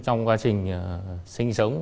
trong quá trình sinh sống